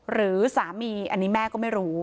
หรือสามีอันนี้แม่ก็ไม่รู้